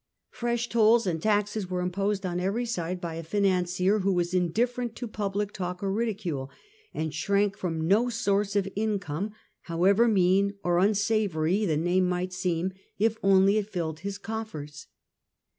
Fresh tolls and taxes were imposed on every side by a financier who ncw\oSs*^^^ was indifferent to public talk or ridicule, and taxes, shrank from no source of income, however mean or un savoury the name might seem, if only it filled his coffers.